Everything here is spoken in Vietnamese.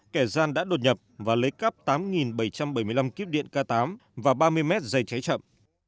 kẻ gian đã đột nhập và lấy cắp tám bảy trăm bảy mươi năm kíp điện k tám và ba mươi mét dây cháy chậm